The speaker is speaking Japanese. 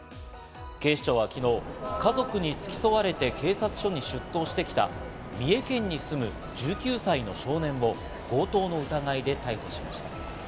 警視庁は昨日、家族に付き添われて警察署に出頭してきた三重県に住む１９歳の少年を強盗の疑いで逮捕しました。